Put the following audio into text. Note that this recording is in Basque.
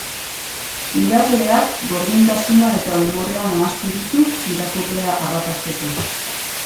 Idazleak gordintasuna eta umorea nahastu ditu irakurlea harrapatzeko.